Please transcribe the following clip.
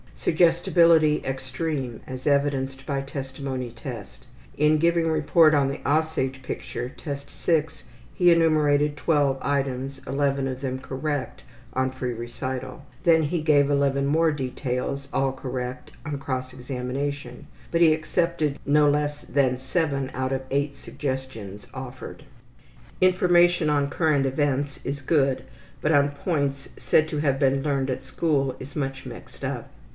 Suggestibility extreme, as evidenced by testimony test. In giving report on the ``Aussage'' picture, Test VI, he enumerated 12 items, 11 of them correct, on free recital. Then he gave 11 more details, all correct, on cross examination, but he accepted no less than 7 out of 8 suggestions offered. Information on current events is good, but on points said to have been learned at school is much mixed up.